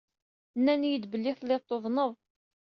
Nnan-iyi-d belli telliḍ tuḍneḍ.